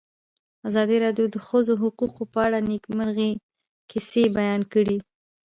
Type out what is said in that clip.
ازادي راډیو د د ښځو حقونه په اړه د نېکمرغۍ کیسې بیان کړې.